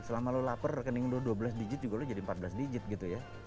selama lo lapar rekening lo dua belas digit juga lo jadi empat belas digit gitu ya